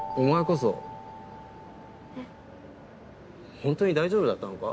ホントに大丈夫だったのか？